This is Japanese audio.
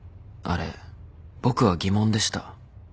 あれ僕は疑問でした。